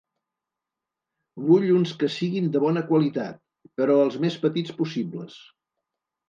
Vull uns que siguin de bona qualitat, però el més petits possibles.